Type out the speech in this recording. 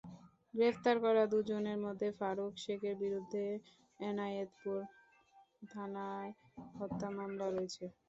গ্রেপ্তার করা দুজনের মধ্যে ফারুক শেখের বিরুদ্ধে এনায়েতপুর থানায় হত্যা মামলা রয়েছে।